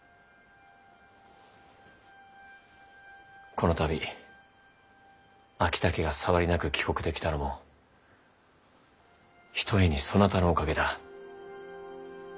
この度昭武が障りなく帰国できたのもひとえにそなたのおかげだ。